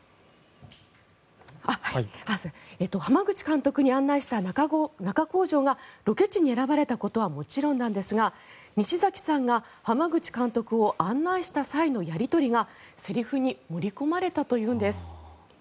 濱口監督に案内した中工場がロケ地に選ばれたことはもちろんなんですが西崎さんが濱口監督を案内した際のやり取りがせりふに盛り込まれたというんです。